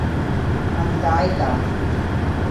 நம் தாய் தான்.